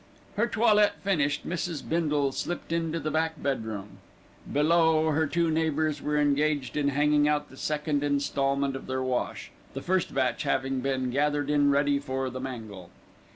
Her toilette finished, Mrs. Bindle slipped into the back bedroom. Below, her two neighbours were engaged in hanging out the second instalment of their wash, the first batch having been gathered in ready for the mangle.